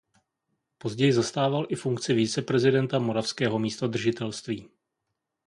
Později zastával i funkci viceprezidenta moravského místodržitelství.